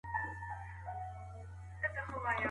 که زده کوونکی شرمخوی وي نو خبرې نسي کولای.